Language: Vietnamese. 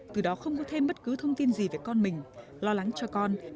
từ đó không có thêm bất cứ thông tin gì về con mình lo lắng cho con